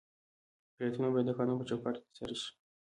فعالیتونه باید د قانون په چوکاټ کې ترسره شي.